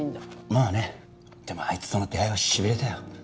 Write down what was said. あねでもあいつとの出会いはしびれたよ